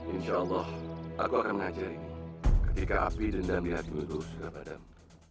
insya allah aku akan mengajari ini ketika api dendam di hatimu terus kepadam